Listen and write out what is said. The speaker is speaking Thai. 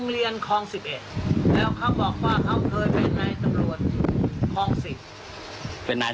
สียีนะ